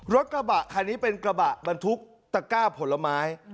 รถกระบะคันนี้เป็นกระบะบรรทุกตะก้าผลไม้